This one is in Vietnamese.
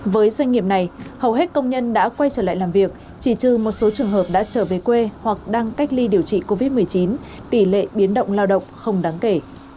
với doanh nghiệp này hầu hết công nhân đã quay trở lại làm việc chỉ trừ một số trường hợp đã trở về quê hoặc đang cách ly điều trị covid một mươi chín tỷ lệ biến động lao động không đáng kể